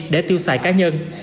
để tiêu xài cá nhân